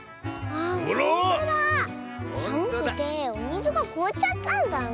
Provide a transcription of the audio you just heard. あら⁉さむくておみずがこおっちゃったんだね。